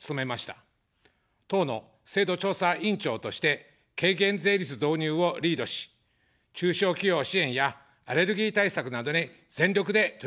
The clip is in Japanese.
党の制度調査委員長として、軽減税率導入をリードし、中小企業支援やアレルギー対策などに全力で取り組みました。